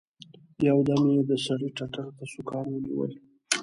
يو دم يې د سړي ټتر ته سوکان ونيول.